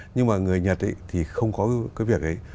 nhưng mà người nhật thì không có cái việc ấy